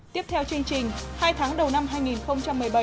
tiếp theo chương trình hai tháng đầu năm hai nghìn một mươi bảy